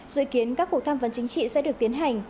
dự kiến các cuộc tham vấn chính trị sẽ được tiến hành